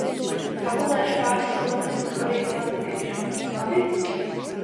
Pagulēšu pāris stundas, un no rīta pazudīšu, labi?